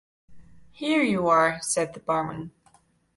"Here you are," said the barman.